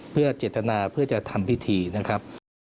เพื่อเจตนาเพื่อจะทำพิธีนะครับ